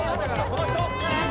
この人！